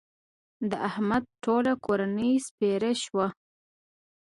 د احمد ټوله کورنۍ سپېره شوه.